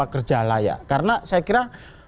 kerja layak karena saya kira